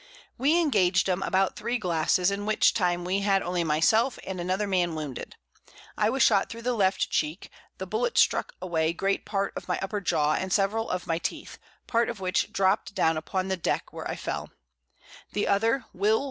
We engag'd 'em about 3 Glasses, in which time we had only my self and another Man wounded. I was shot thro' the Left Cheek, the Bullet struck away great part of my upper Jaw, and several of my Teeth, part of which dropt down upon the Deck, where I fell; the other, _Will.